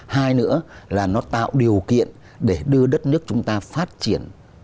hai nữa là nó tạo điều kiện để đưa đất nước chúng ta phát triển